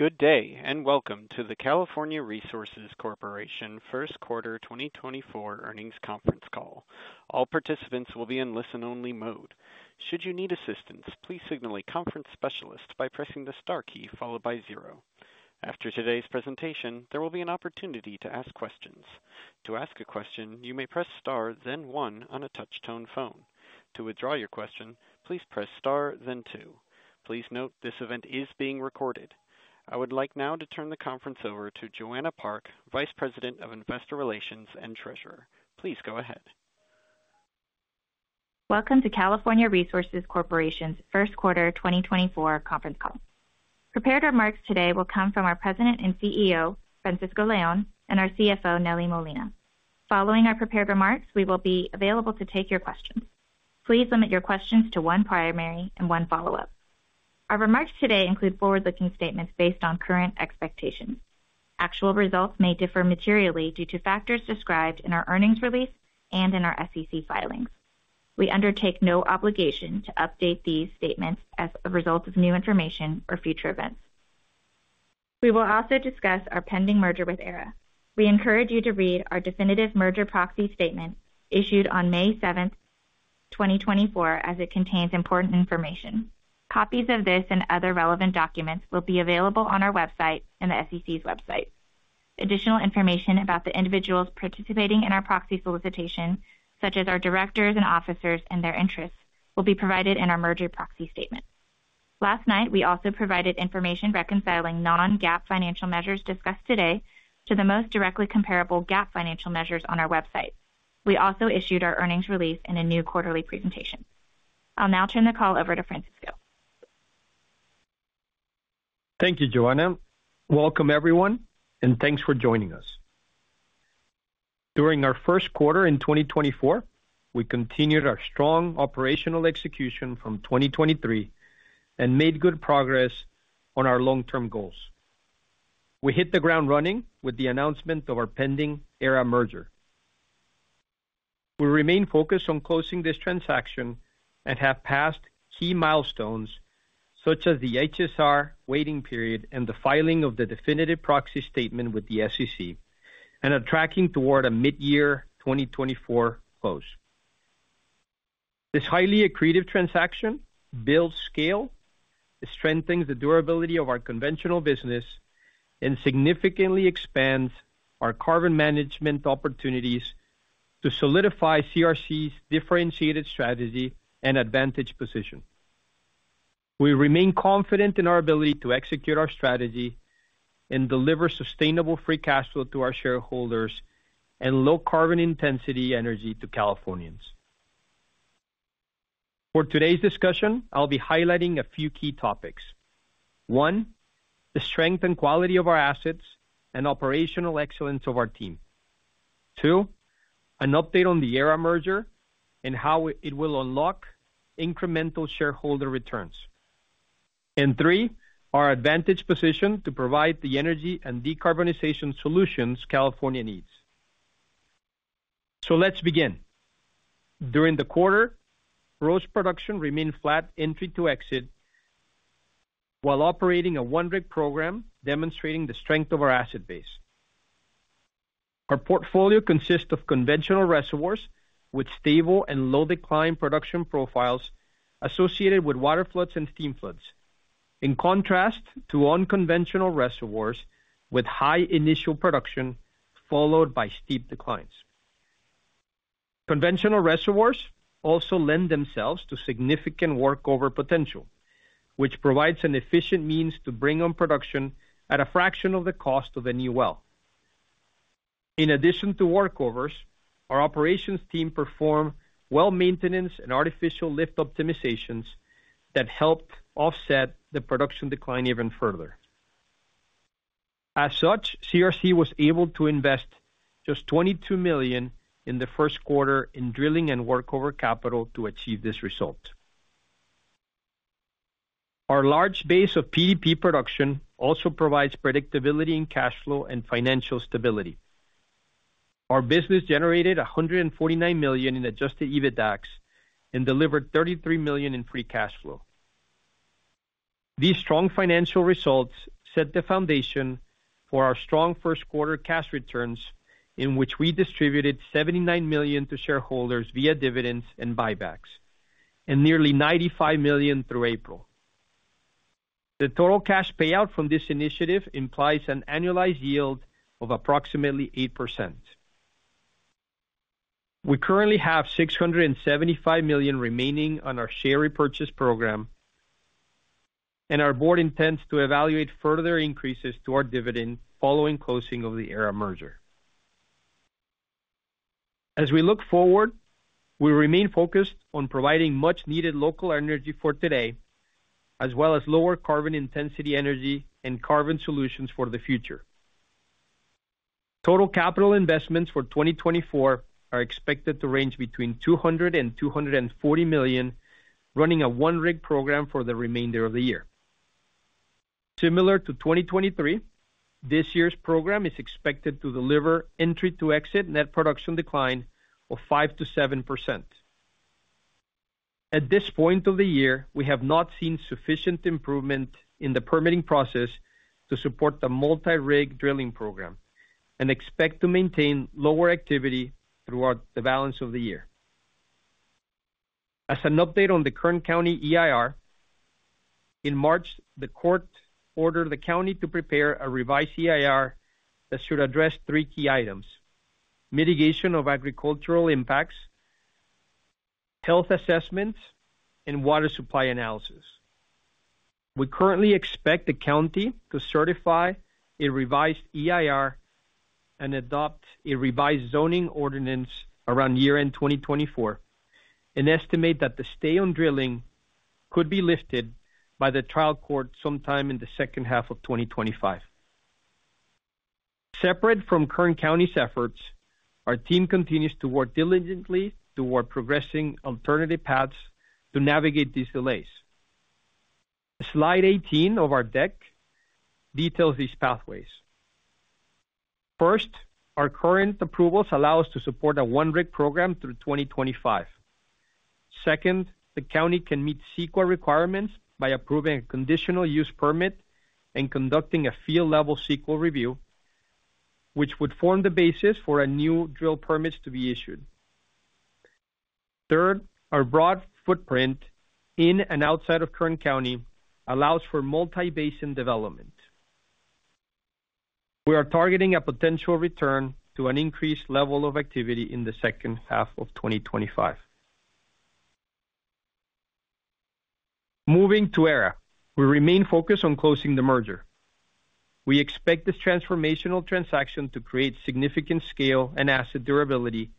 Good day and welcome to the California Resources Corporation first quarter 2024 earnings conference call. All participants will be in listen-only mode. Should you need assistance, please signal a conference specialist by pressing the star key followed by zero. After today's presentation, there will be an opportunity to ask questions. To ask a question, you may press star then one on a touch-tone phone. To withdraw your question, please press star then two. Please note, this event is being recorded. I would like now to turn the conference over to Joanna Park, Vice President of Investor Relations and Treasurer. Please go ahead. Welcome to California Resources Corporation's first quarter 2024 conference call. Prepared remarks today will come from our President and CEO, Francisco Leon, and our CFO, Nelly Molina. Following our prepared remarks, we will be available to take your questions. Please limit your questions to one primary and one follow-up. Our remarks today include forward-looking statements based on current expectations. Actual results may differ materially due to factors described in our earnings release and in our SEC filings. We undertake no obligation to update these statements as a result of new information or future events. We will also discuss our pending merger with Aera. We encourage you to read our Definitive Merger Proxy Statement issued on May 7th, 2024, as it contains important information. Copies of this and other relevant documents will be available on our website and the SEC's website. Additional information about the individuals participating in our proxy solicitation, such as our directors and officers and their interests, will be provided in our Merger Proxy Statement. Last night, we also provided information reconciling non-GAAP financial measures discussed today to the most directly comparable GAAP financial measures on our website. We also issued our earnings release in a new quarterly presentation. I'll now turn the call over to Francisco. Thank you, Joanna. Welcome, everyone, and thanks for joining us. During our first quarter in 2024, we continued our strong operational execution from 2023 and made good progress on our long-term goals. We hit the ground running with the announcement of our pending Aera merger. We remain focused on closing this transaction and have passed key milestones such as the HSR waiting period and the filing of the Definitive Proxy Statement with the SEC, and are tracking toward a mid-year 2024 close. This highly accretive transaction builds scale, strengthens the durability of our conventional business, and significantly expands our carbon management opportunities to solidify CRC's differentiated strategy and advantage position. We remain confident in our ability to execute our strategy and deliver sustainable free cash flow to our shareholders and low-carbon intensity energy to Californians. For today's discussion, I'll be highlighting a few key topics. One, the strength and quality of our assets and operational excellence of our team. Two, an update on the Aera merger and how it will unlock incremental shareholder returns. Three, our advantaged position to provide the energy and decarbonization solutions California needs. Let's begin. During the quarter, gross production remained flat, entry to exit, while operating a 1-rig program demonstrating the strength of our asset base. Our portfolio consists of conventional reservoirs with stable and low-decline production profiles associated with water floods and steam floods, in contrast to unconventional reservoirs with high initial production followed by steep declines. Conventional reservoirs also lend themselves to significant workover potential, which provides an efficient means to bring on production at a fraction of the cost of a new well. In addition to workovers, our operations team performed well-maintenance and artificial lift optimizations that helped offset the production decline even further. As such, CRC was able to invest just $22 million in the first quarter in drilling and workover capital to achieve this result. Our large base of PDP production also provides predictability in cash flow and financial stability. Our business generated $149 million in Adjusted EBITDA and delivered $33 million in Free Cash Flow. These strong financial results set the foundation for our strong first-quarter cash returns in which we distributed $79 million to shareholders via dividends and buybacks, and nearly $95 million through April. The total cash payout from this initiative implies an annualized yield of approximately 8%. We currently have $675 million remaining on our share repurchase program, and our board intends to evaluate further increases to our dividend following closing of the Aera merger. As we look forward, we remain focused on providing much-needed local energy for today, as well as lower-carbon intensity energy and carbon solutions for the future. Total capital investments for 2024 are expected to range between $200 million and $240 million, running a one-rig program for the remainder of the year. Similar to 2023, this year's program is expected to deliver entry-to-exit net production decline of 5%-7%. At this point of the year, we have not seen sufficient improvement in the permitting process to support the multi-rig drilling program and expect to maintain lower activity throughout the balance of the year. As an update on the Kern County EIR, in March, the court ordered the county to prepare a revised EIR that should address three key items: mitigation of agricultural impacts, health assessments, and water supply analysis. We currently expect the county to certify a revised EIR and adopt a revised zoning ordinance around year-end 2024, and estimate that the stay-on-drilling could be lifted by the trial court sometime in the second half of 2025. Separate from Kern County's efforts, our team continues to work diligently toward progressing alternative paths to navigate these delays. Slide 18 of our deck details these pathways. First, our current approvals allow us to support a one-rig program through 2025. Second, the county can meet CEQA requirements by approving a conditional use permit and conducting a field-level CEQA review, which would form the basis for new drill permits to be issued. Third, our broad footprint in and outside of Kern County allows for multi-basin development. We are targeting a potential return to an increased level of activity in the second half of 2025. Moving to Aera, we remain focused on closing the merger. We expect this transformational transaction to create significant scale and asset durability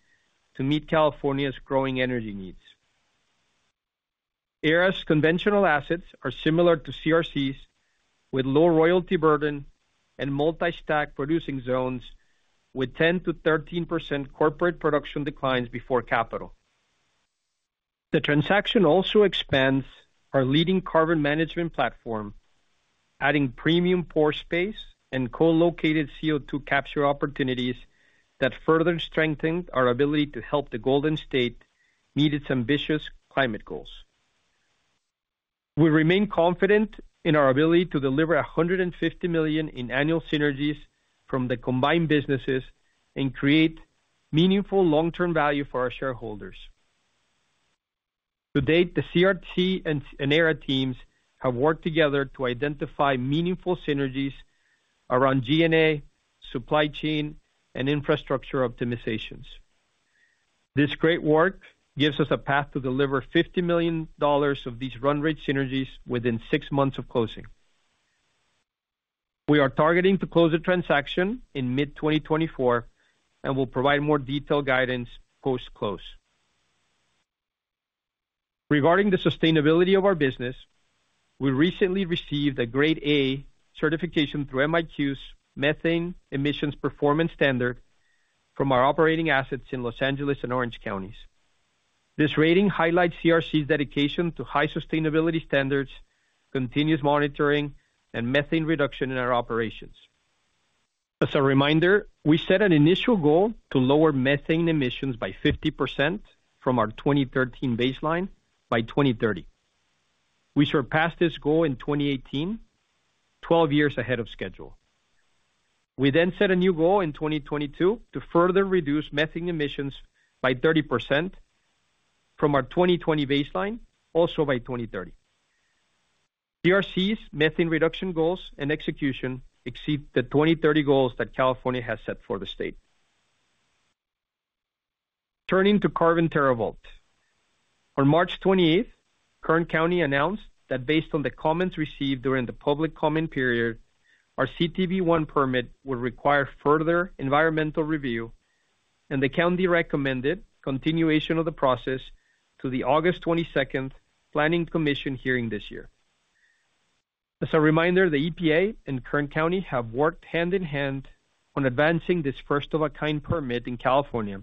to meet California's growing energy needs. Aera's conventional assets are similar to CRC's, with low royalty burden and multi-stack producing zones with 10%-13% corporate production declines before capital. The transaction also expands our leading carbon management platform, adding premium pore space and co-located CO2 capture opportunities that further strengthen our ability to help the Golden State meet its ambitious climate goals. We remain confident in our ability to deliver $150 million in annual synergies from the combined businesses and create meaningful long-term value for our shareholders. To date, the CRC and Aera teams have worked together to identify meaningful synergies around G&A, supply chain, and infrastructure optimizations. This great work gives us a path to deliver $50 million of these run-rate synergies within six months of closing. We are targeting to close the transaction in mid-2024 and will provide more detailed guidance post-close. Regarding the sustainability of our business, we recently received a Grade A certification through MiQ's Methane Emissions Performance Standard from our operating assets in Los Angeles and Orange counties. This rating highlights CRC's dedication to high sustainability standards, continuous monitoring, and methane reduction in our operations. As a reminder, we set an initial goal to lower methane emissions by 50% from our 2013 baseline by 2030. We surpassed this goal in 2018, 12 years ahead of schedule. We then set a new goal in 2022 to further reduce methane emissions by 30% from our 2020 baseline, also by 2030. CRC's methane reduction goals and execution exceed the 2030 goals that California has set for the state. Turning to Carbon TerraVault. On March 28th, Kern County announced that based on the comments received during the public comment period, our CTV I permit would require further environmental review, and the county recommended continuation of the process to the August 22nd Planning Commission hearing this year. As a reminder, the EPA and Kern County have worked hand in hand on advancing this first-of-a-kind permit in California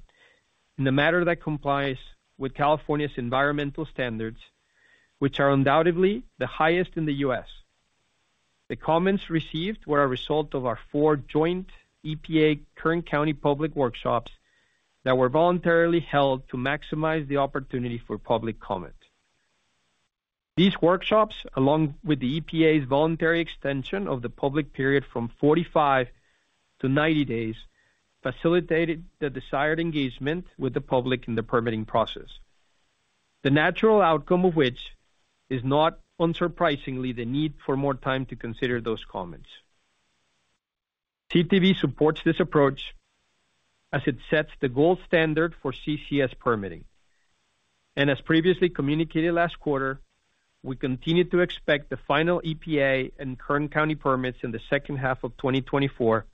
in a matter that complies with California's environmental standards, which are undoubtedly the highest in the U.S. The comments received were a result of our four joint EPA-Kern County public workshops that were voluntarily held to maximize the opportunity for public comment. These workshops, along with the EPA's voluntary extension of the public period from 45-90 days, facilitated the desired engagement with the public in the permitting process, the natural outcome of which is not, unsurprisingly, the need for more time to consider those comments. CTV supports this approach as it sets the gold standard for CCS permitting. And as previously communicated last quarter, we continue to expect the final EPA and Kern County permits in the second half of 2024,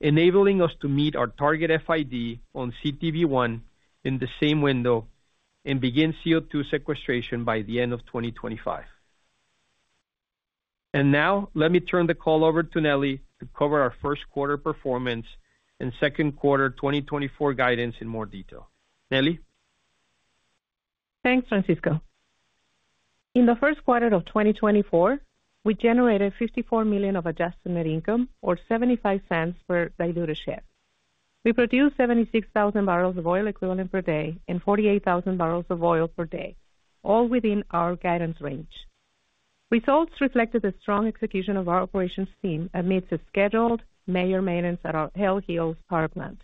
enabling us to meet our target FID on CTV I in the same window and begin CO2 sequestration by the end of 2025. And now, let me turn the call over to Nelly to cover our first-quarter performance and second-quarter 2024 guidance in more detail. Nelly? Thanks, Francisco. In the first quarter of 2024, we generated $54 million of adjusted net income, or $0.75 per diluted share. We produced 76,000 bbl of oil equivalent per day and 48,000 bbl of oil per day, all within our guidance range. Results reflected the strong execution of our operations team amidst a scheduled major maintenance at our Elk Hills power plant.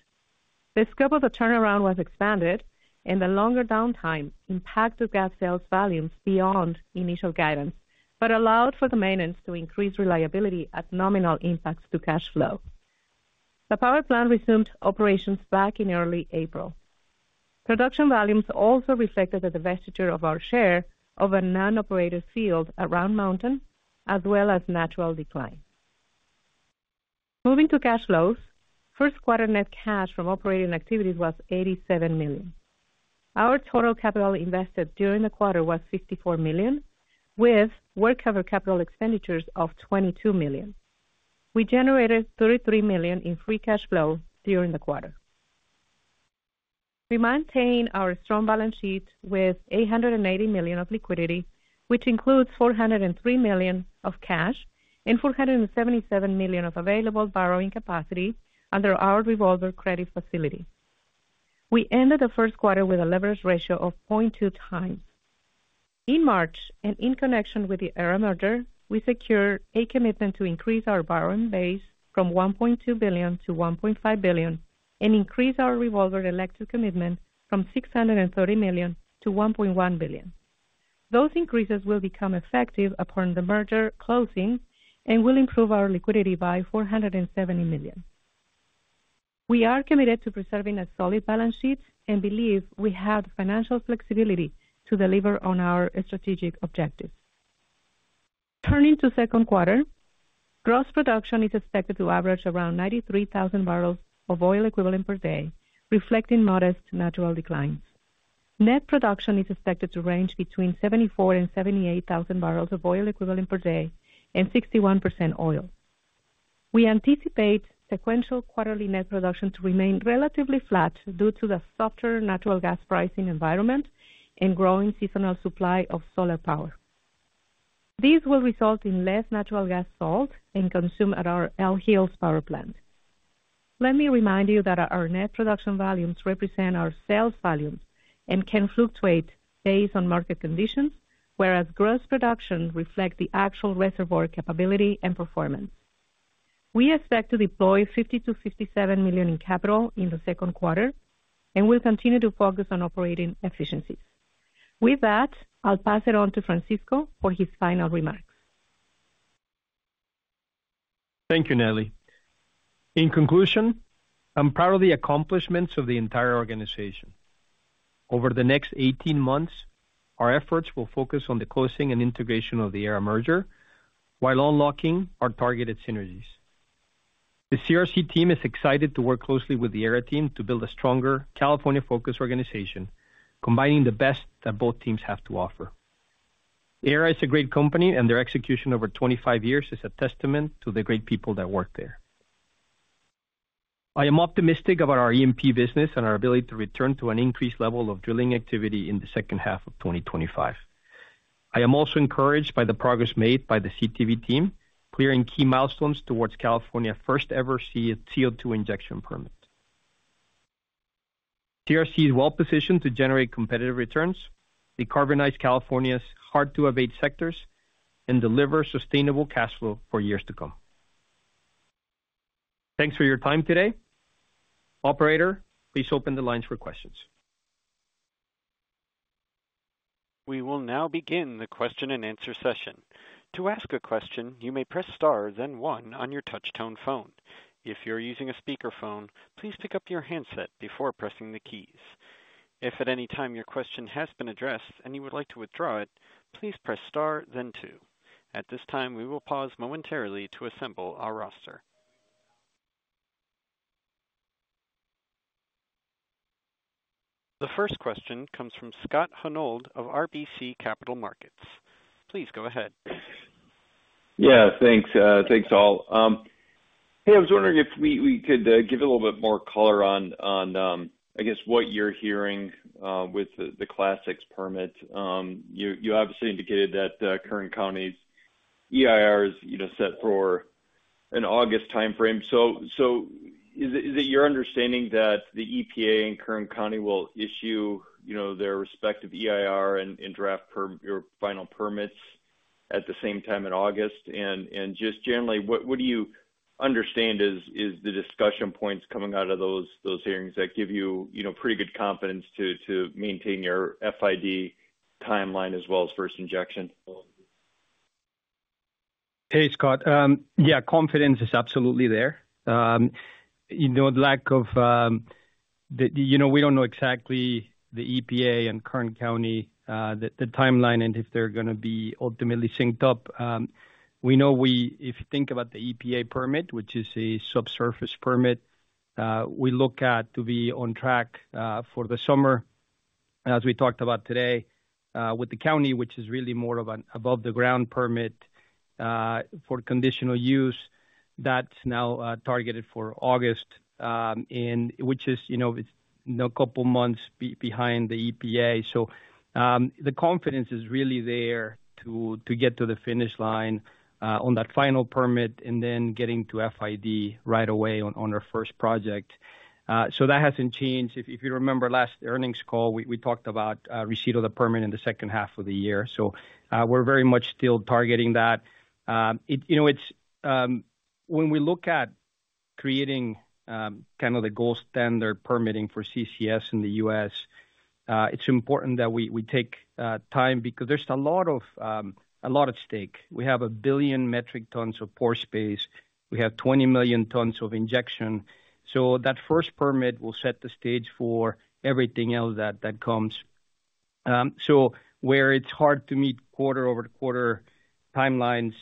The scope of the turnaround was expanded, and the longer downtime impacted gas sales volumes beyond initial guidance but allowed for the maintenance to increase reliability at nominal impacts to cash flow. The power plant resumed operations back in early April. Production volumes also reflected the divestiture of our share of a non-operated field Round Mountain, as well as natural decline. Moving to cash flows, first-quarter net cash from operating activities was $87 million. Our total capital invested during the quarter was $54 million, with workover capital expenditures of $22 million. We generated $33 million in free cash flow during the quarter. We maintain our strong balance sheet with $880 million of liquidity, which includes $403 million of cash and $477 million of available borrowing capacity under our revolver credit facility. We ended the first quarter with a leverage ratio of 0.2x. In March, and in connection with the Aera merger, we secured a commitment to increase our borrowing base from $1.2 billion-$1.5 billion and increase our revolver elective commitment from $630 million-$1.1 billion. Those increases will become effective upon the merger closing and will improve our liquidity by $470 million. We are committed to preserving a solid balance sheet and believe we have the financial flexibility to deliver on our strategic objectives. Turning to second quarter, gross production is expected to average around 93,000 bbl of oil equivalent per day, reflecting modest natural declines. Net production is expected to range between 74,000 bbl and 78,000 bbl of oil equivalent per day and 61% oil. We anticipate sequential quarterly net production to remain relatively flat due to the softer natural gas pricing environment and growing seasonal supply of solar power. These will result in less natural gas sold and consumed at our Elk Hills power plant. Let me remind you that our net production volumes represent our sales volumes and can fluctuate based on market conditions, whereas gross production reflects the actual reservoir capability and performance. We expect to deploy $50 million-$57 million in capital in the second quarter, and we'll continue to focus on operating efficiencies. With that, I'll pass it on to Francisco for his final remarks. Thank you, Nelly. In conclusion, I'm proud of the accomplishments of the entire organization. Over the next 18 months, our efforts will focus on the closing and integration of the Aera merger while unlocking our targeted synergies. The CRC team is excited to work closely with the Aera team to build a stronger, California-focused organization, combining the best that both teams have to offer. Aera is a great company, and their execution over 25 years is a testament to the great people that work there. I am optimistic about our EMP business and our ability to return to an increased level of drilling activity in the second half of 2025. I am also encouraged by the progress made by the CTV team, clearing key milestones towards California's first-ever CO2 injection permit. CRC is well-positioned to generate competitive returns, decarbonize California's hard-to-abate sectors, and deliver sustainable cash flow for years to come. Thanks for your time today. Operator, please open the lines for questions. We will now begin the question-and-answer session. To ask a question, you may press star, then one, on your touch-tone phone. If you're using a speakerphone, please pick up your handset before pressing the keys. If at any time your question has been addressed and you would like to withdraw it, please press star, then two. At this time, we will pause momentarily to assemble our roster. The first question comes from Scott Hanold of RBC Capital Markets. Please go ahead. Yeah, thanks. Thanks, all. Hey, I was wondering if we could give a little bit more color on, I guess, what you're hearing with the Class VI permit. You obviously indicated that Kern County's EIR is set for an August timeframe. So is it your understanding that the EPA and Kern County will issue their respective EIR and draft or final permits at the same time in August? And just generally, what do you understand is the discussion points coming out of those hearings that give you pretty good confidence to maintain your FID timeline as well as first injection? Hey, Scott. Yeah, confidence is absolutely there. The lack of, we don't know exactly the EPA and Kern County timeline and if they're going to be ultimately synced up. We know if you think about the EPA permit, which is a subsurface permit, we look at to be on track for the summer, as we talked about today, with the county, which is really more of an above-the-ground permit for conditional use. That's now targeted for August, which is a couple of months behind the EPA. So the confidence is really there to get to the finish line on that final permit and then getting to FID right away on our first project. So that hasn't changed. If you remember last earnings call, we talked about receipt of the permit in the second half of the year. So we're very much still targeting that. When we look at creating kind of the gold standard permitting for CCS in the U.S., it's important that we take time because there's a lot at stake. We have 1 billion metric tons of pore space. We have 20 million tons of injection. So that first permit will set the stage for everything else that comes. So where it's hard to meet quarter-over-quarter timelines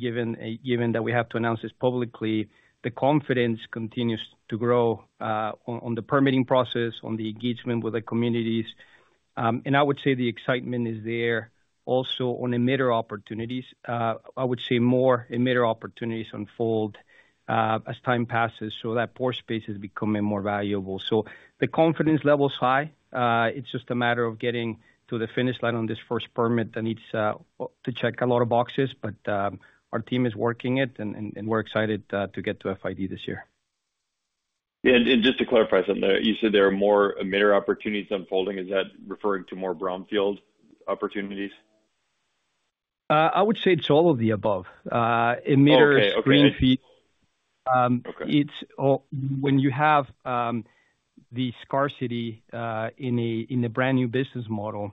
given that we have to announce this publicly, the confidence continues to grow on the permitting process, on the engagement with the communities. I would say the excitement is there also on emitter opportunities. I would say more emitter opportunities unfold as time passes so that pore space is becoming more valuable. The confidence level's high. It's just a matter of getting to the finish line on this first permit that needs to check a lot of boxes. But our team is working it, and we're excited to get to FID this year. Yeah. And just to clarify something there, you said there are more emitter opportunities unfolding. Is that referring to more brownfield opportunities? I would say it's all of the above. Emitters, greenfield. When you have the scarcity in a brand new business model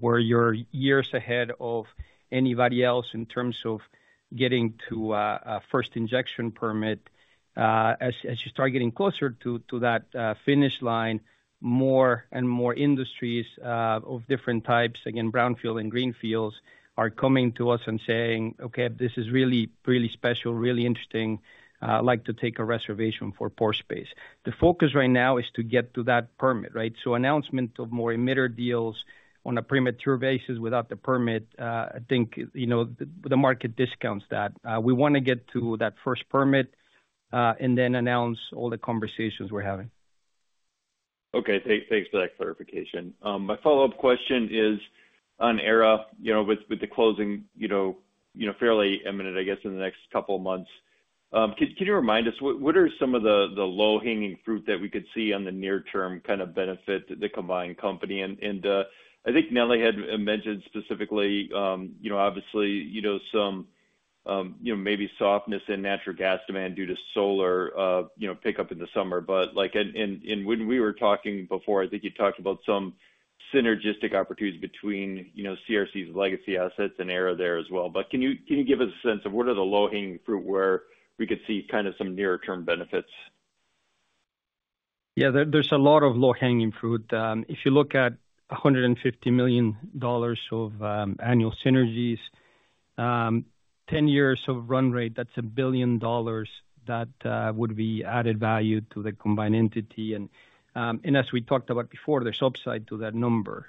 where you're years ahead of anybody else in terms of getting to a first injection permit, as you start getting closer to that finish line, more and more industries of different types, again, brownfield and greenfields, are coming to us and saying, "Okay, this is really, really special, really interesting. I'd like to take a reservation for pore space." The focus right now is to get to that permit, right? So announcement of more emitter deals on a premature basis without the permit, I think the market discounts that. We want to get to that first permit and then announce all the conversations we're having. Okay. Thanks for that clarification. My follow-up question is on Aera with the closing fairly imminent, I guess, in the next couple of months. Can you remind us, what are some of the low-hanging fruit that we could see on the near-term kind of benefit the combined company? And I think Nelly had mentioned specifically, obviously, some maybe softness in natural gas demand due to solar pickup in the summer. But when we were talking before, I think you talked about some synergistic opportunities between CRC's legacy assets and Aera there as well. But can you give us a sense of what are the low-hanging fruit where we could see kind of some near-term benefits? Yeah, there's a lot of low-hanging fruit. If you look at $150 million of annual synergies, 10 years of run rate, that's $1 billion that would be added value to the combined entity. And as we talked about before, there's upside to that number.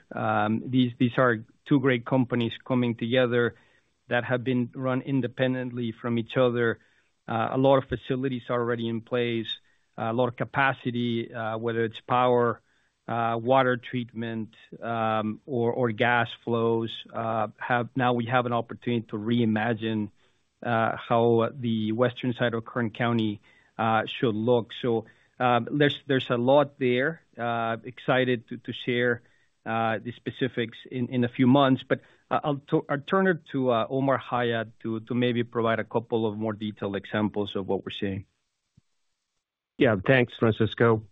These are two great companies coming together that have been run independently from each other. A lot of facilities are already in place. A lot of capacity, whether it's power, water treatment, or gas flows, now we have an opportunity to reimagine how the western side of Kern County should look. So there's a lot there. Excited to share the specifics in a few months. But I'll turn it to Omar Hayat to maybe provide a couple of more detailed examples of what we're seeing. Yeah, thanks, Francisco.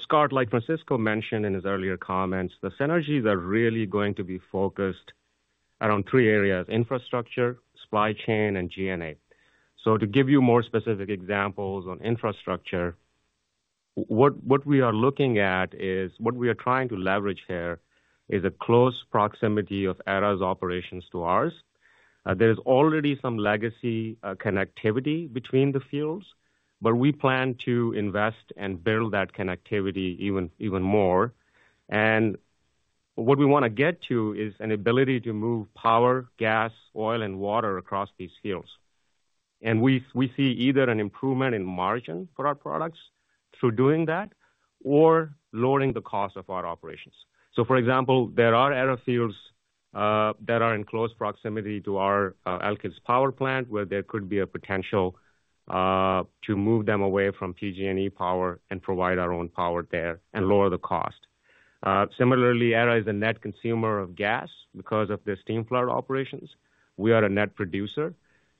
Scott, like Francisco mentioned in his earlier comments, the synergies are really going to be focused around three areas: infrastructure, supply chain, and G&A. So to give you more specific examples on infrastructure, what we are looking at is what we are trying to leverage here is a close proximity of Aera's operations to ours. There is already some legacy connectivity between the fields, but we plan to invest and build that connectivity even more. And what we want to get to is an ability to move power, gas, oil, and water across these fields. And we see either an improvement in margin for our products through doing that or lowering the cost of our operations. So, for example, there are Aera fields that are in close proximity to our Elk Hills power plant, where there could be a potential to move them away from PG&E power and provide our own power there and lower the cost. Similarly, Aera is a net consumer of gas because of the steam flood operations. We are a net producer,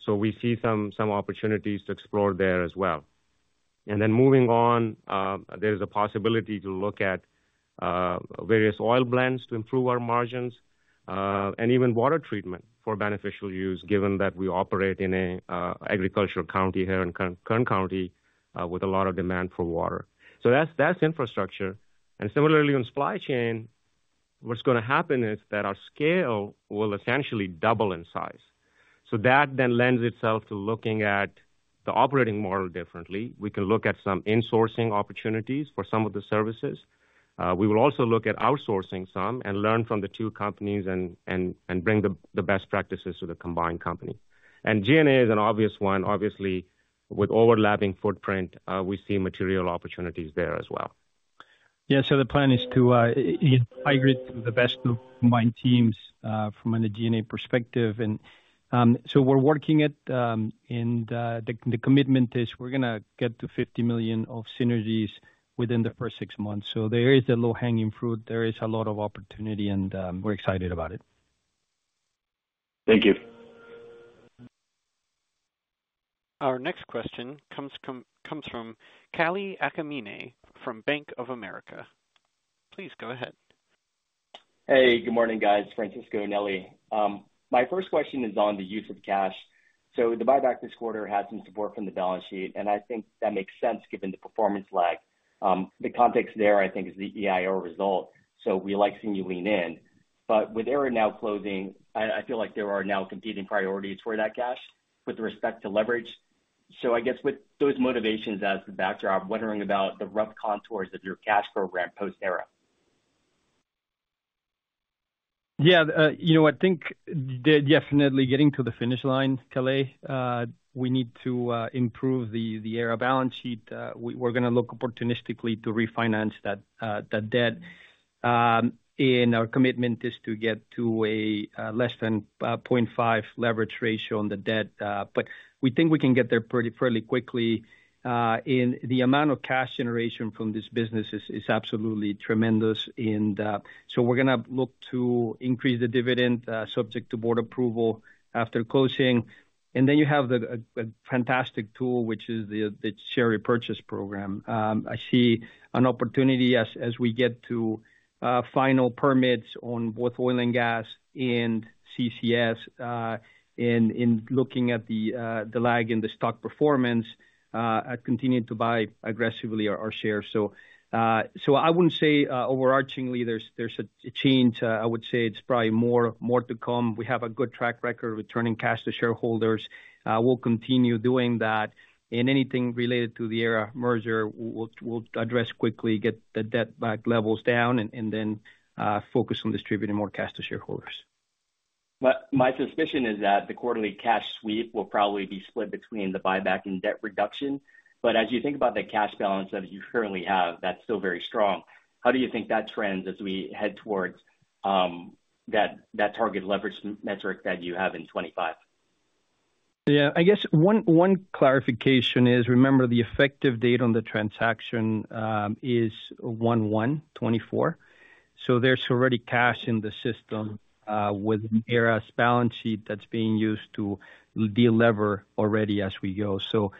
so we see some opportunities to explore there as well. And then moving on, there is a possibility to look at various oil blends to improve our margins and even water treatment for beneficial use, given that we operate in an agricultural county here in Kern County with a lot of demand for water. So that's infrastructure. And similarly, in supply chain, what's going to happen is that our scale will essentially double in size. So that then lends itself to looking at the operating model differently. We can look at some insourcing opportunities for some of the services. We will also look at outsourcing some and learn from the two companies and bring the best practices to the combined company. G&A is an obvious one. Obviously, with overlapping footprint, we see material opportunities there as well. Yeah, so the plan is to hybrid the best of combined teams from a G&A perspective. So we're working it, and the commitment is we're going to get to $50 million of synergies within the first six months. So there is a low-hanging fruit. There is a lot of opportunity, and we're excited about it. Thank you. Our next question comes from Kalei Akamine from Bank of America. Please go ahead. Hey, good morning, guys, Francisco, Nelly. My first question is on the use of cash. So the buyback this quarter has some support from the balance sheet, and I think that makes sense given the performance lag. The context there, I think, is the EIR result. So we like seeing you lean in. But with Aera now closing, I feel like there are now competing priorities for that cash with respect to leverage. So I guess with those motivations as the backdrop, wondering about the rough contours of your cash program post-Aera. Yeah, I think definitely getting to the finish line, Kalei. We need to improve the Aera balance sheet. We're going to look opportunistically to refinance that debt. Our commitment is to get to a less than 0.5 leverage ratio on the debt. But we think we can get there fairly quickly. The amount of cash generation from this business is absolutely tremendous. So we're going to look to increase the dividend subject to board approval after closing. Then you have a fantastic tool, which is the share repurchase program. I see an opportunity as we get to final permits on both oil and gas and CCS. In looking at the lag in the stock performance, I continue to buy aggressively our shares. So I wouldn't say overarchingly there's a change. I would say it's probably more to come. We have a good track record returning cash to shareholders. We'll continue doing that. Anything related to the Aera merger, we'll address quickly, get the debt back levels down, and then focus on distributing more cash to shareholders. My suspicion is that the quarterly cash sweep will probably be split between the buyback and debt reduction. But as you think about the cash balance that you currently have, that's still very strong. How do you think that trends as we head towards that target leverage metric that you have in 2025? Yeah, I guess one clarification is remember the effective date on the transaction is 01/01/2024. So there's already cash in the system with an Aera balance sheet that's being used to de-lever already as we go. So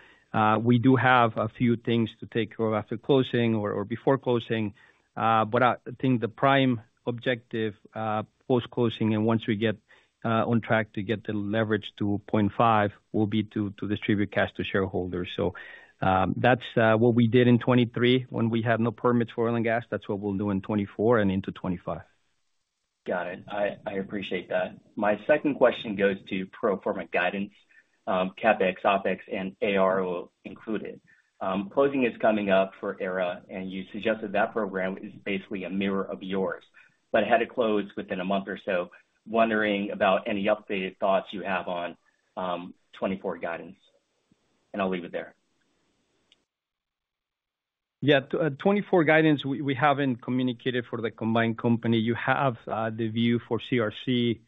we do have a few things to take care of after closing or before closing. But I think the prime objective post-closing and once we get on track to get the leverage to 0.5 will be to distribute cash to shareholders. So that's what we did in 2023 when we had no permits for oil and gas. That's what we'll do in 2024 and into 2025. Got it. I appreciate that. My second question goes to pro forma guidance, CapEx, OpEx, and Aera included. Closing is coming up for Aera, and you suggested that program is basically a mirror of yours. But had it closed within a month or so, wondering about any updated thoughts you have on 2024 guidance. And I'll leave it there. Yeah, 2024 guidance, we haven't communicated for the combined company. You have the view for CRC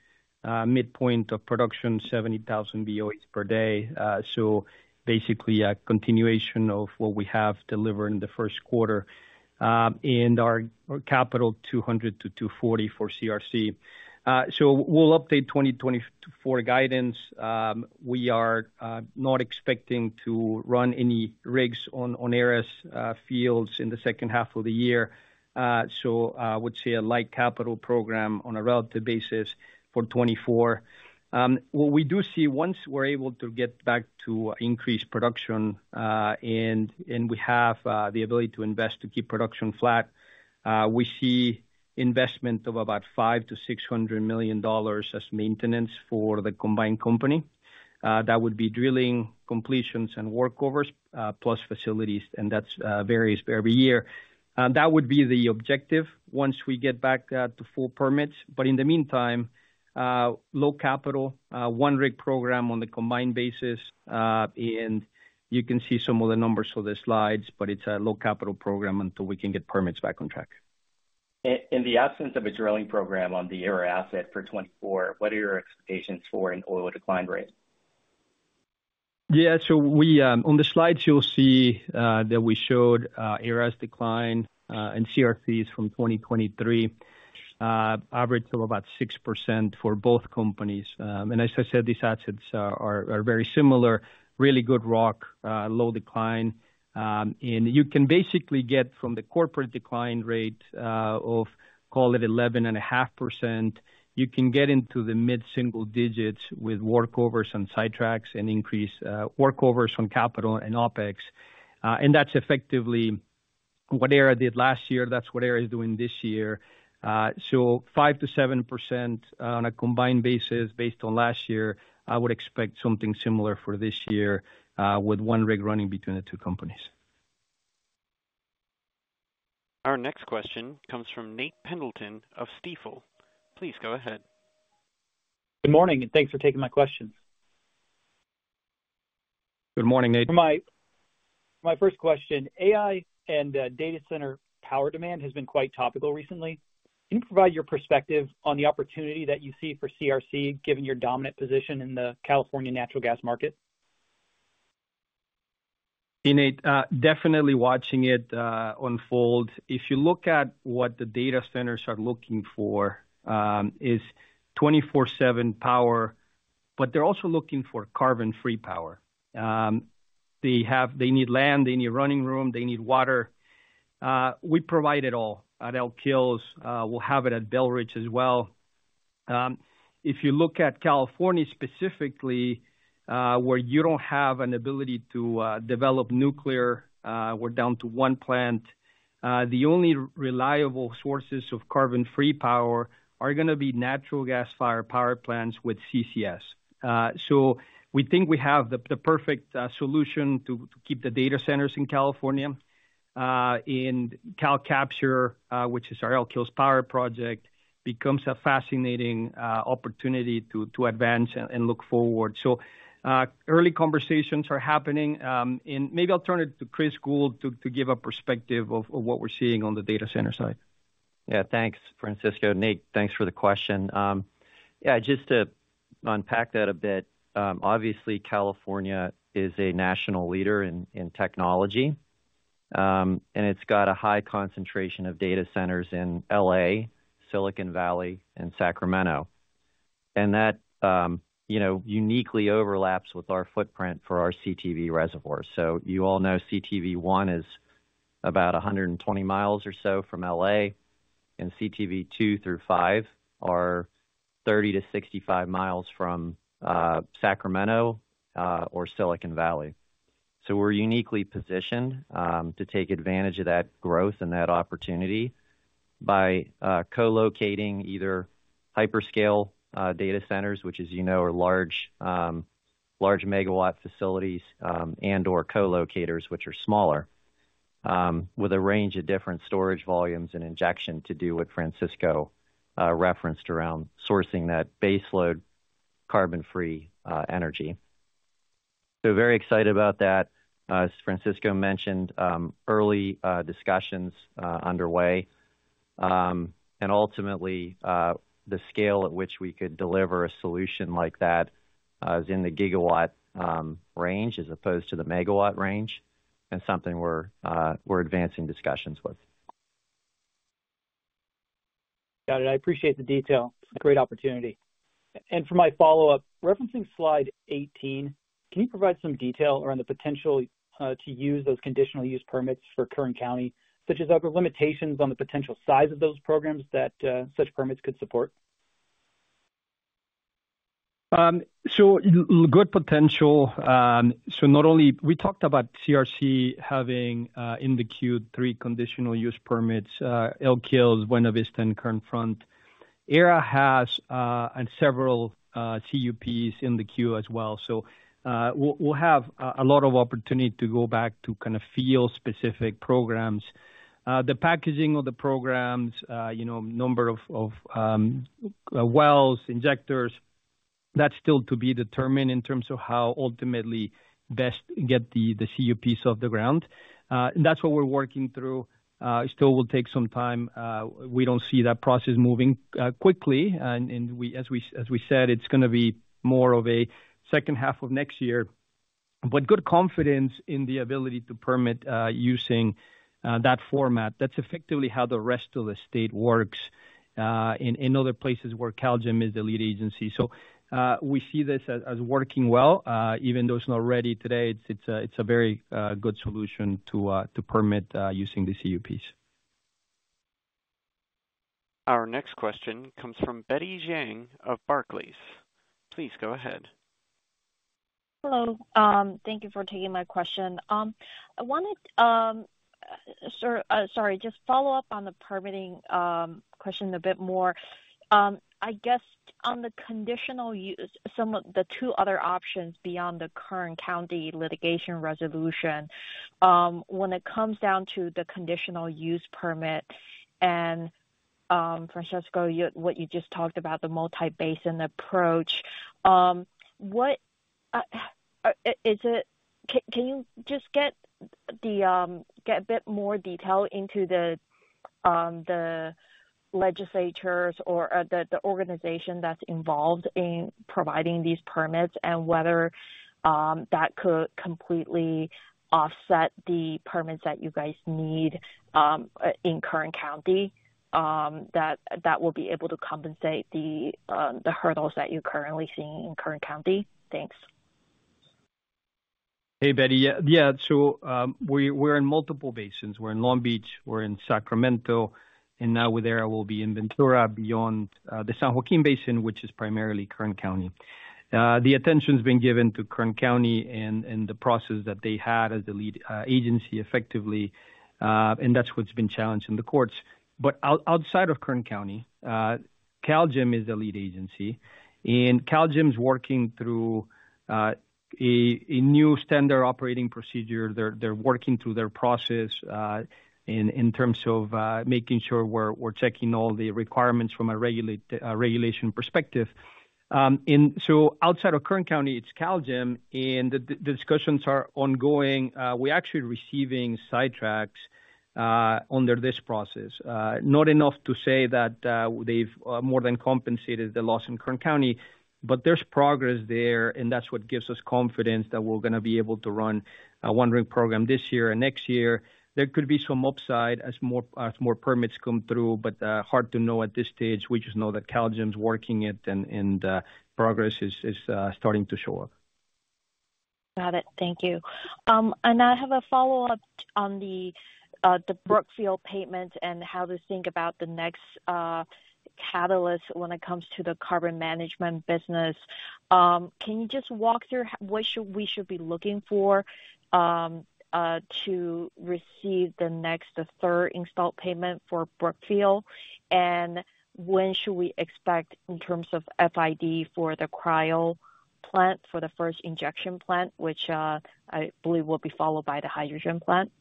midpoint of production 70,000 BOE per day. So basically, a continuation of what we have delivered in the first quarter and our capital $200 million-$240 million for CRC. So we'll update 2024 guidance. We are not expecting to run any rigs on Aera's fields in the second half of the year. So I would say a light capital program on a relative basis for 2024. What we do see once we're able to get back to increased production and we have the ability to invest to keep production flat, we see investment of about $500 million-$600 million as maintenance for the combined company. That would be drilling completions and workovers plus facilities. And that varies every year. That would be the objective once we get back to full permits. But in the meantime, low capital, one rig program on the combined basis. And you can see some of the numbers on the slides, but it's a low capital program until we can get permits back on track. In the absence of a drilling program on the Aera asset for 2024, what are your expectations for an oil decline rate? Yeah, so on the slides, you'll see that we showed Aera's decline and CRC's from 2023 average of about 6% for both companies. And as I said, these assets are very similar. Really good rock, low decline. And you can basically get from the corporate decline rate of, call it, 11.5%. You can get into the mid-single digits with workovers and sidetracks and increased workovers on capital and OpEx. And that's effectively what Aera did last year. That's what Aera is doing this year. So 5%-7% on a combined basis based on last year, I would expect something similar for this year with one rig running between the two companies. Our next question comes from Nate Pendleton of Stifel. Please go ahead. Good morning, and thanks for taking my questions. Good morning, Nate. For my first question, AI and data center power demand has been quite topical recently. Can you provide your perspective on the opportunity that you see for CRC given your dominant position in the California natural gas market? Hey, Nate. Definitely watching it unfold. If you look at what the data centers are looking for, it's 24/7 power, but they're also looking for carbon-free power. They need land. They need running room. They need water. We provide it all at Elk Hills. We'll have it at Belridge as well. If you look at California specifically, where you don't have an ability to develop nuclear, we're down to one plant. The only reliable sources of carbon-free power are going to be natural gas fire power plants with CCS. So we think we have the perfect solution to keep the data centers in California. And CalCapture, which is our Elk Hills Power project, becomes a fascinating opportunity to advance and look forward. So early conversations are happening. And maybe I'll turn it to Chris Gould to give a perspective of what we're seeing on the data center side. Yeah, thanks, Francisco. Nate, thanks for the question. Yeah, just to unpack that a bit, obviously, California is a national leader in technology. And it's got a high concentration of data centers in LA, Silicon Valley, and Sacramento. And that uniquely overlaps with our footprint for our CTV reservoir. So you all know CTV 1 is about 120 mi or so from LA. And CTV II through V are 30 mi-65 mi from Sacramento or Silicon Valley. So we're uniquely positioned to take advantage of that growth and that opportunity by co-locating either hyperscale data centers, which as you know are large megawatt facilities, and/or co-locators, which are smaller, with a range of different storage volumes and injection to do what Francisco referenced around sourcing that baseload carbon-free energy. So very excited about that. As Francisco mentioned, early discussions underway. Ultimately, the scale at which we could deliver a solution like that is in the gigawatt range as opposed to the megawatt range and something we're advancing discussions with. Got it. I appreciate the detail. It's a great opportunity. For my follow-up, referencing slide 18, can you provide some detail around the potential to use those Conditional Use Permits for Kern County, such as other limitations on the potential size of those programs that such permits could support? So good potential. So not only we talked about CRC having in the queue three conditional use permits: Elk Hills, Buena Vista, and Kern Front. Aera has several CUPs in the queue as well. So we'll have a lot of opportunity to go back to kind of field-specific programs. The packaging of the programs, number of wells, injectors, that's still to be determined in terms of how ultimately best get the CUPs off the ground. And that's what we're working through. It still will take some time. We don't see that process moving quickly. And as we said, it's going to be more of a second half of next year. But good confidence in the ability to permit using that format. That's effectively how the rest of the state works in other places where CalGEM is the lead agency. So we see this as working well. Even though it's not ready today, it's a very good solution to permit using the CUPs. Our next question comes from Betty Jiang of Barclays. Please go ahead. Hello. Thank you for taking my question. I wanted sorry, just follow up on the permitting question a bit more. I guess on the conditional use, some of the two other options beyond the Kern County litigation resolution, when it comes down to the Conditional Use Permit and Francisco, what you just talked about, the multi-basin approach, can you just get a bit more detail into the legislatures or the organization that's involved in providing these permits and whether that could completely offset the permits that you guys need in Kern County that will be able to compensate the hurdles that you're currently seeing in Kern County? Thanks. Hey, Betty. Yeah, so we're in multiple basins. We're in Long Beach. We're in Sacramento. And now with Aera, we'll be in Ventura beyond the San Joaquin Basin, which is primarily Kern County. The attention's been given to Kern County and the process that they had as the lead agency effectively. And that's what's been challenged in the courts. But outside of Kern County, CalGEM is the lead agency. And CalGEM's working through a new standard operating procedure. They're working through their process in terms of making sure we're checking all the requirements from a regulation perspective. And so outside of Kern County, it's CalGEM. And the discussions are ongoing. We're actually receiving sidetracks under this process. Not enough to say that they've more than compensated the loss in Kern County, but there's progress there. That's what gives us confidence that we're going to be able to run a one-rig program this year and next year. There could be some upside as more permits come through, but hard to know at this stage. We just know that CalGEM's working it and progress is starting to show up. Got it. Thank you. And I have a follow-up on the Brookfield payment and how to think about the next catalyst when it comes to the carbon management business. Can you just walk through what we should be looking for to receive the next, the third installment payment for Brookfield? And when should we expect in terms of FID for the CO2 plant, for the first injection plant, which I believe will be followed by the hydrogen plant?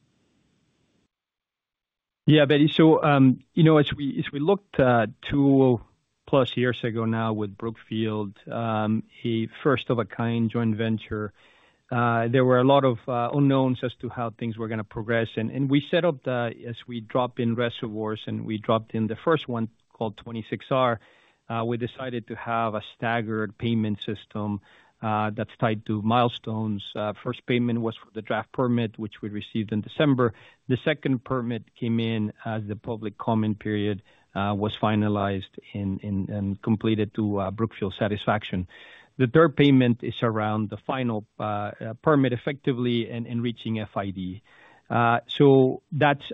Yeah, Betty. So as we looked two plus years ago now with Brookfield, a first-of-a-kind joint venture, there were a lot of unknowns as to how things were going to progress. And we set up as we dropped in reservoirs and we dropped in the first one called 26R, we decided to have a staggered payment system that's tied to milestones. First payment was for the draft permit, which we received in December. The second permit came in as the public comment period was finalized and completed to Brookfield's satisfaction. The third payment is around the final permit effectively and reaching FID. So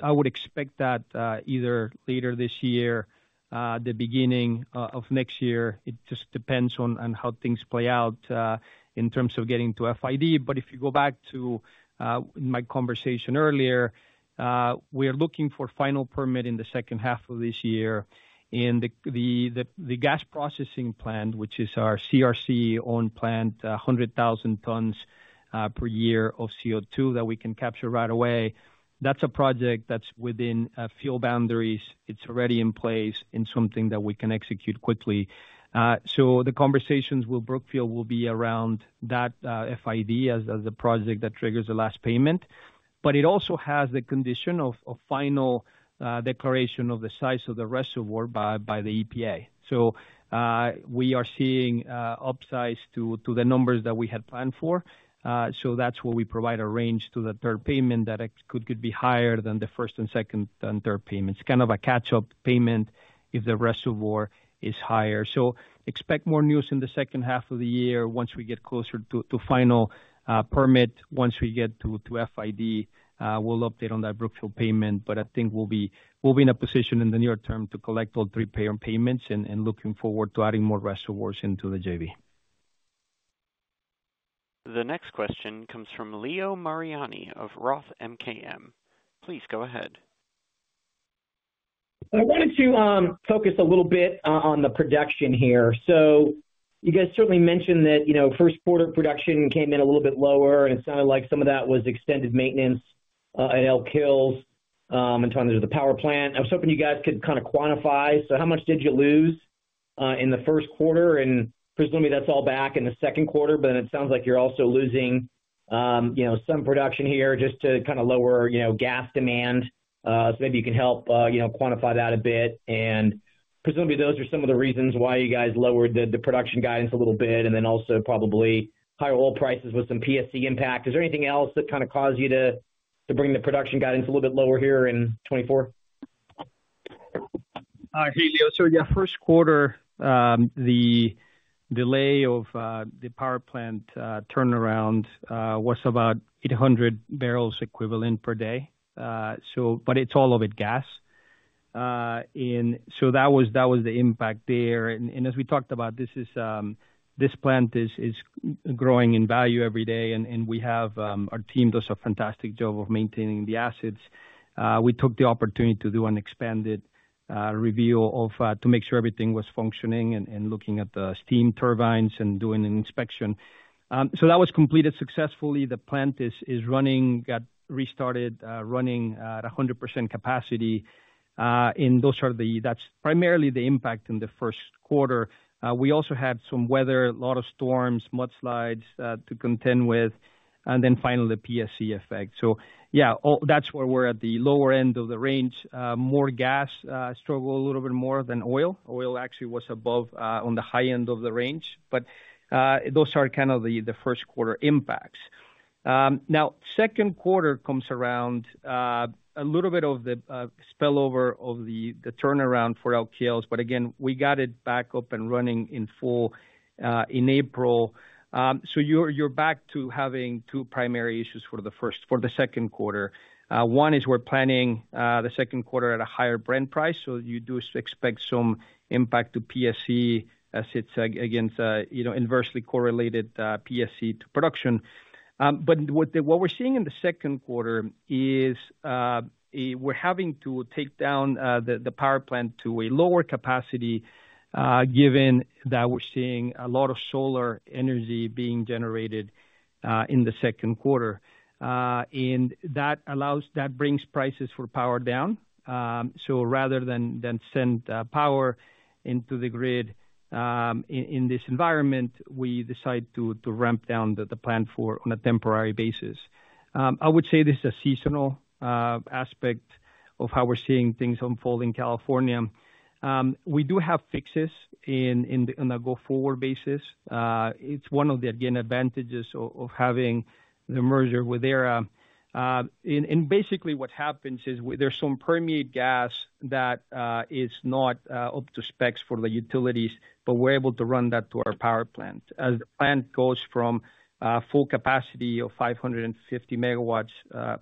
I would expect that either later this year, the beginning of next year. It just depends on how things play out in terms of getting to FID. But if you go back to my conversation earlier, we're looking for final permit in the second half of this year. The gas processing plant, which is our CRC-owned plant, 100,000 tons per year of CO2 that we can capture right away, that's a project that's within fuel boundaries. It's already in place and something that we can execute quickly. The conversations with Brookfield will be around that FID as the project that triggers the last payment. It also has the condition of final declaration of the size of the reservoir by the EPA. We are seeing upsides to the numbers that we had planned for. That's why we provide a range to the third payment that could be higher than the first and second and third payments. Kind of a catch-up payment if the reservoir is higher. Expect more news in the second half of the year once we get closer to final permit. Once we get to FID, we'll update on that Brookfield payment. But I think we'll be in a position in the near term to collect all three payments and looking forward to adding more reservoirs into the JV. The next question comes from Leo Mariani of Roth MKM. Please go ahead. I wanted to focus a little bit on the production here. So you guys certainly mentioned that first-quarter production came in a little bit lower. And it sounded like some of that was extended maintenance at Elk Hills and towards the power plant. I was hoping you guys could kind of quantify. So how much did you lose in the first quarter? And presumably, that's all back in the second quarter. But then it sounds like you're also losing some production here just to kind of lower gas demand. So maybe you can help quantify that a bit. And presumably, those are some of the reasons why you guys lowered the production guidance a little bit and then also probably higher oil prices with some PSC impact. Is there anything else that kind of caused you to bring the production guidance a little bit lower here in 2024? Hey, Leo. So yeah, first quarter, the delay of the power plant turnaround was about 800 bbl equivalent per day. But it's all of it gas. And so that was the impact there. And as we talked about, this plant is growing in value every day. And our team does a fantastic job of maintaining the assets. We took the opportunity to do an expanded review to make sure everything was functioning and looking at the steam turbines and doing an inspection. So that was completed successfully. The plant got restarted running at 100% capacity. And that's primarily the impact in the first quarter. We also had some weather, a lot of storms, mudslides to contend with. And then finally, the PSC effect. So yeah, that's where we're at the lower end of the range. More gas struggled a little bit more than oil. Oil actually was on the high end of the range. But those are kind of the first quarter impacts. Now, second quarter comes around a little bit of the spillover of the turnaround for Elk Hills. But again, we got it back up and running in full in April. So you're back to having two primary issues for the second quarter. One is we're planning the second quarter at a higher Brent price. So you do expect some impact to PSC as it's inversely correlated PSC to production. But what we're seeing in the second quarter is we're having to take down the power plant to a lower capacity given that we're seeing a lot of solar energy being generated in the second quarter. And that brings prices for power down. So rather than send power into the grid in this environment, we decide to ramp down the plant on a temporary basis. I would say this is a seasonal aspect of how we're seeing things unfold in California. We do have fixes on a go-forward basis. It's one of the, again, advantages of having the merger with Aera. And basically, what happens is there's some permeate gas that is not up to specs for the utilities, but we're able to run that to our power plant. As the plant goes from full capacity of 550 MW±,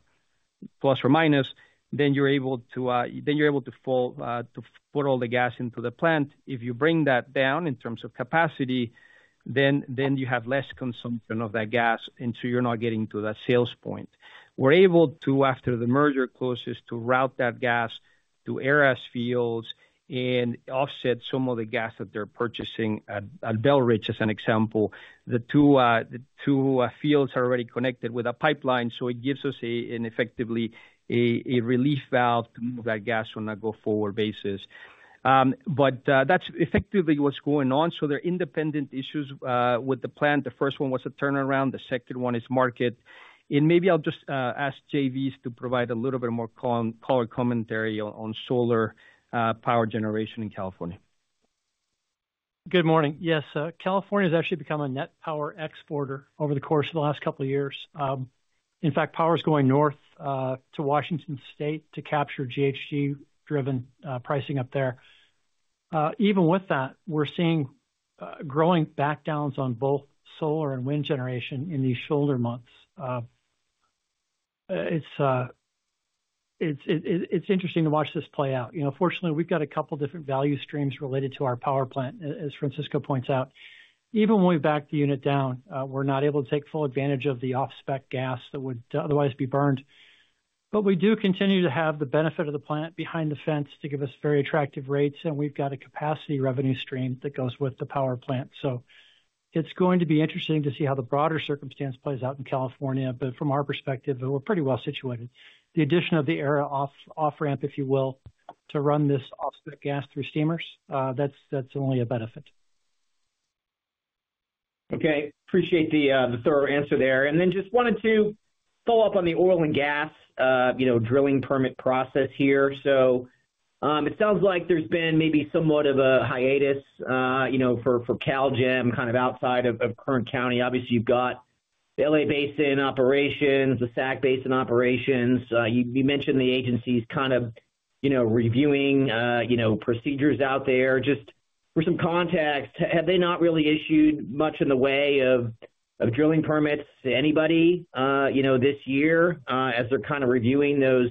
then you're able to put all the gas into the plant. If you bring that down in terms of capacity, then you have less consumption of that gas. And so you're not getting to that sales point. We're able to, after the merger closes, to route that gas to Aera's fields and offset some of the gas that they're purchasing at Belridge, as an example. The two fields are already connected with a pipeline. So it gives us effectively a relief valve to move that gas on a go-forward basis. But that's effectively what's going on. So there are independent issues with the plant. The first one was a turnaround. The second one is market. And maybe I'll just ask Jay Bys to provide a little bit more color commentary on solar power generation in California. Good morning. Yes, California has actually become a net power exporter over the course of the last couple of years. In fact, power's going north to Washington State to capture GHG-driven pricing up there. Even with that, we're seeing growing backdowns on both solar and wind generation in these shoulder months. It's interesting to watch this play out. Fortunately, we've got a couple of different value streams related to our power plant, as Francisco points out. Even when we back the unit down, we're not able to take full advantage of the off-spec gas that would otherwise be burned. But we do continue to have the benefit of the plant behind the fence to give us very attractive rates. We've got a capacity revenue stream that goes with the power plant. It's going to be interesting to see how the broader circumstance plays out in California. But from our perspective, we're pretty well situated. The addition of the Aera off-ramp, if you will, to run this off-spec gas through steamers, that's only a benefit. Okay. Appreciate the thorough answer there. And then just wanted to follow up on the oil and gas drilling permit process here. So it sounds like there's been maybe somewhat of a hiatus for CalGEM kind of outside of Kern County. Obviously, you've got the LA Basin operations, the Sac Basin operations. You mentioned the agency's kind of reviewing procedures out there. Just for some context, have they not really issued much in the way of drilling permits to anybody this year as they're kind of reviewing those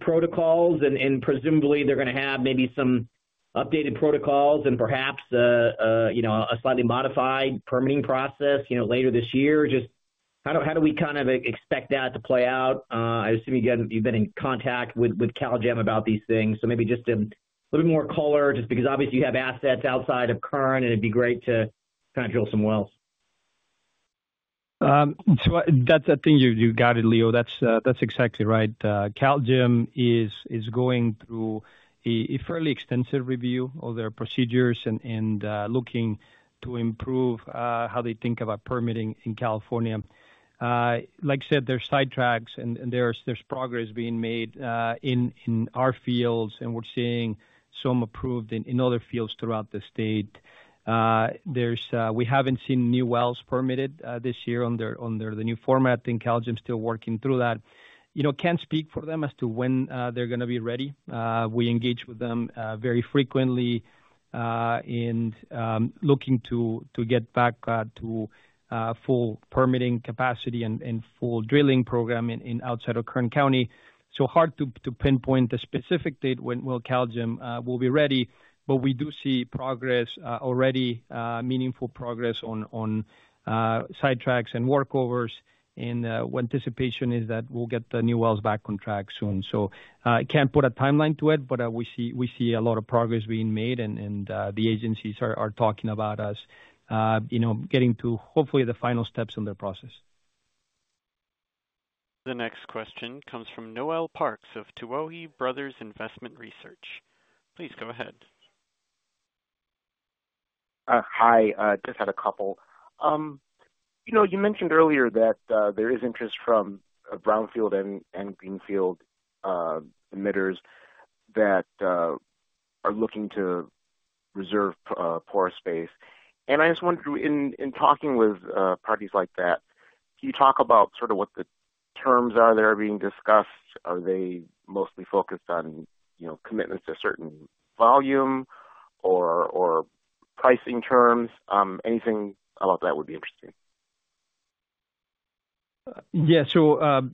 protocols? And presumably, they're going to have maybe some updated protocols and perhaps a slightly modified permitting process later this year. Just how do we kind of expect that to play out? I assume you've been in contact with CalGEM about these things. So maybe just a little bit more color, just because obviously, you have assets outside of Kern. It'd be great to kind of drill some wells. So that's the thing. You got it, Leo. That's exactly right. CalGEM is going through a fairly extensive review of their procedures and looking to improve how they think about permitting in California. Like I said, there's sidetracks. And there's progress being made in our fields. And we're seeing some approved in other fields throughout the state. We haven't seen new wells permitted this year under the new format. And CalGEM's still working through that. Can't speak for them as to when they're going to be ready. We engage with them very frequently in looking to get back to full permitting capacity and full drilling program outside of Kern County. So hard to pinpoint a specific date when CalGEM will be ready. But we do see progress already, meaningful progress on sidetracks and workovers. And the anticipation is that we'll get the new wells back on track soon. I can't put a timeline to it. But we see a lot of progress being made. And the agencies are talking about us getting to, hopefully, the final steps in their process. The next question comes from Noel Parks of Tuohy Brothers Investment Research. Please go ahead. Hi. Just had a couple. You mentioned earlier that there is interest from Brownfield and Greenfield emitters that are looking to reserve pore space. I just wondered, in talking with parties like that, can you talk about sort of what the terms are that are being discussed? Are they mostly focused on commitments to certain volume or pricing terms? Anything about that would be interesting. Yeah. So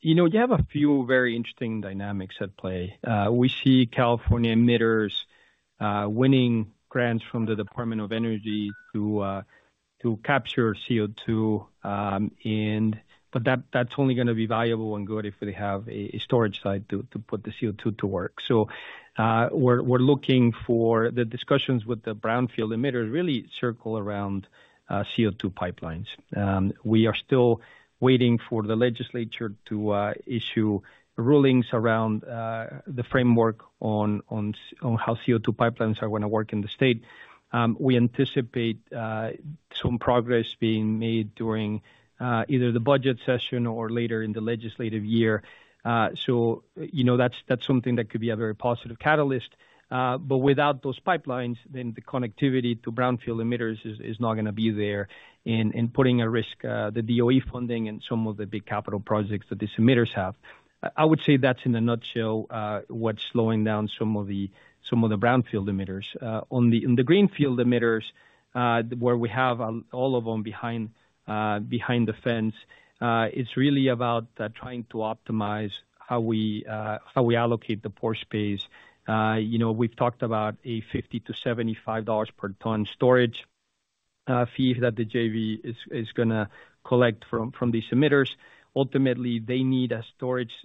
you have a few very interesting dynamics at play. We see California emitters winning grants from the Department of Energy to capture CO2. But that's only going to be valuable and good if we have a storage site to put the CO2 to work. So we're looking for the discussions with the brownfield emitters really circle around CO2 pipelines. We are still waiting for the legislature to issue rulings around the framework on how CO2 pipelines are going to work in the state. We anticipate some progress being made during either the budget session or later in the legislative year. So that's something that could be a very positive catalyst. But without those pipelines, then the connectivity to brownfield emitters is not going to be there and putting at risk the DOE funding and some of the big capital projects that these emitters have. I would say that's, in a nutshell, what's slowing down some of the Brownfield emitters. On the Greenfield emitters, where we have all of them behind the fence, it's really about trying to optimize how we allocate the pore space. We've talked about a $50-$75 per ton storage fee that the JV is going to collect from these emitters. Ultimately, they need a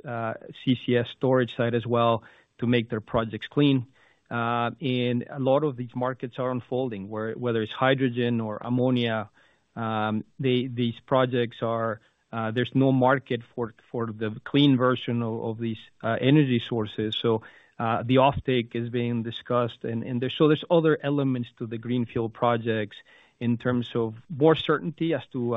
CCS storage site as well to make their projects clean. And a lot of these markets are unfolding, whether it's hydrogen or ammonia. These projects, there's no market for the clean version of these energy sources. So the offtake is being discussed. And so there's other elements to the greenfield projects in terms of more certainty as to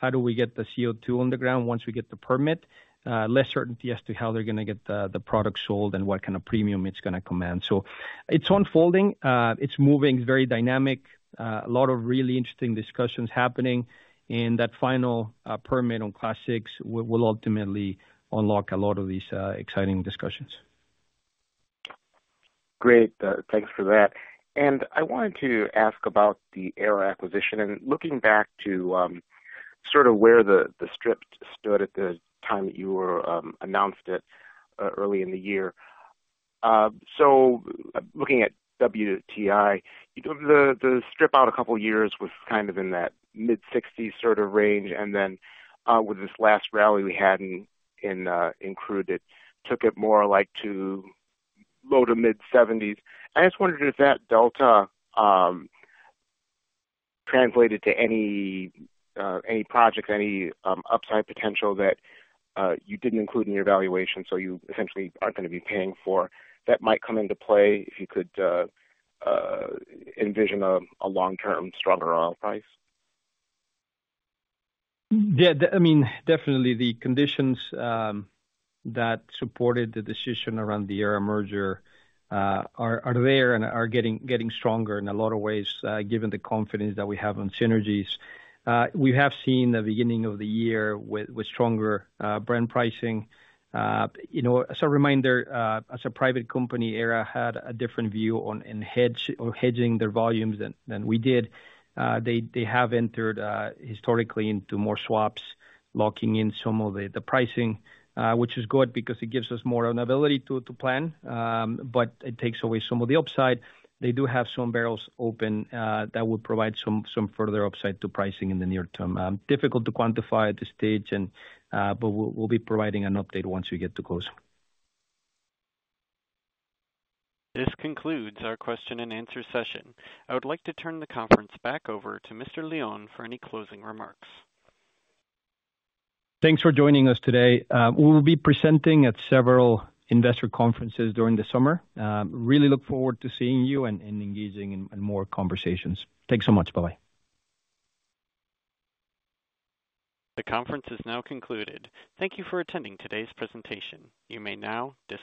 how do we get the CO2 on the ground once we get the permit, less certainty as to how they're going to get the product sold and what kind of premium it's going to command. So it's unfolding. It's moving. It's very dynamic. A lot of really interesting discussions happening. And that final permit on Class VI will ultimately unlock a lot of these exciting discussions. Great. Thanks for that. I wanted to ask about the Aera acquisition. Looking back to sort of where the strip stood at the time that you announced it early in the year, so looking at WTI, the strip out a couple of years was kind of in that mid-60s sort of range. Then with this last rally we had in crude, it took it more like to low- to mid-70s. I just wondered if that delta translated to any projects, any upside potential that you didn't include in your evaluation so you essentially aren't going to be paying for that might come into play if you could envision a long-term, stronger oil price? Yeah. I mean, definitely, the conditions that supported the decision around the Aera merger are there and are getting stronger in a lot of ways given the confidence that we have on synergies. We have seen the beginning of the year with stronger Brent pricing. As a reminder, as a private company, Aera had a different view on hedging their volumes than we did. They have entered historically into more swaps, locking in some of the pricing, which is good because it gives us more of an ability to plan. But it takes away some of the upside. They do have some barrels open that would provide some further upside to pricing in the near term. Difficult to quantify at this stage. But we'll be providing an update once we get to close. This concludes our question-and-answer session. I would like to turn the conference back over to Mr. Leon for any closing remarks. Thanks for joining us today. We will be presenting at several investor conferences during the summer. Really look forward to seeing you and engaging in more conversations. Thanks so much. Bye-bye. The conference is now concluded. Thank you for attending today's presentation. You may now disconnect.